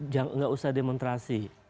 tidak usah demontrasi